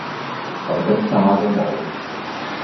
否則渣都無